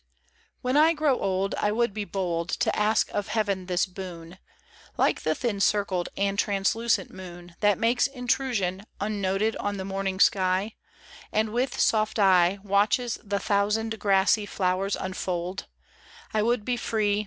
13 WHEN I grow old, I would be bold To ask of heaven this boon : Like the thin circled and translucent moon, That makes intrusion Unnoted on the morning sky, And with soft eye Watches the thousand, grassy flowers unfold, I would be free.